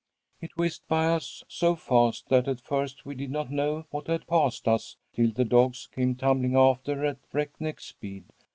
"It whizzed by us so fast that at first we did not know what had passed us till the dogs came tumbling after at breakneck speed.